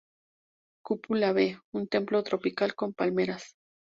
Cúpula B, un pueblo tropical con palmeras.